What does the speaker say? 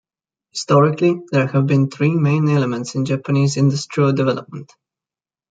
Historically, there have been three main elements in Japanese industrial development.